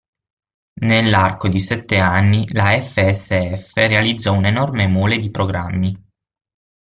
Nell'arco di sette anni la FSF realizzò un'enorme mole di programmi.